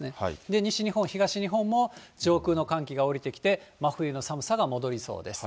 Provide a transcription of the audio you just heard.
西日本、東日本も、上空の寒気が下りてきて、真冬の寒さが戻りそうです。